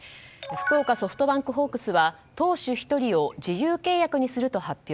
福岡ソフトバンクホークスは投手１人を自由契約にすると発表。